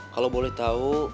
kalau boleh tau